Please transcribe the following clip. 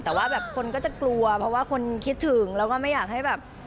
แต่ว่าแบบคนก็จะกลัวเพราะว่าคนคิดถึงแล้วก็ไม่อยากให้แบบ